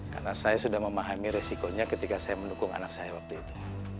karena saya sudah memahami resikonya ketika saya mendukung anak saya waktu itu